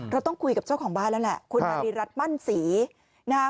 เราต้องคุยกับเจ้าของบ้านแล้วแหละคุณนาริรัติมั่นศรีนะฮะ